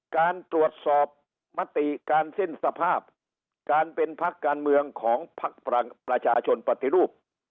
การตรวจสอบมติการสิ้นสภาพการเป็นพักการเมืองของพักประชาชนปฏิรูป